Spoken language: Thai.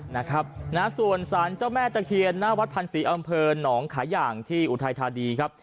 นะครับนะส่วนสารเจ้าแม่ตะเคียนหน้าวัดพันศรีอำเภอหนองขาย่างที่อุทัยธานีครับ